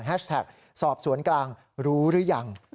แท็กสอบสวนกลางรู้หรือยัง